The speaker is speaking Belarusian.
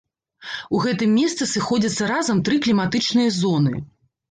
У гэтым месцы сыходзяцца разам тры кліматычныя зоны.